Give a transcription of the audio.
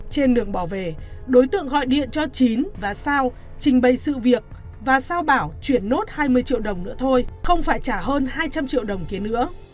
trên đường bỏ về đối tượng gọi điện cho chín và sao trình bày sự việc và sao bảo chuyển nốt hai mươi triệu đồng nữa thôi không phải trả hơn hai trăm linh triệu đồng kia nữa